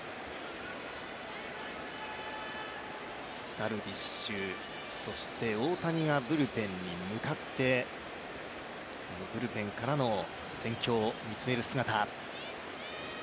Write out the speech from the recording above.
ダルビッシュ、そして大谷がブルペンに向かって、そのブルペンから戦況を見つめる姿。